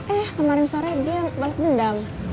eh kemarin sore dia balas dendam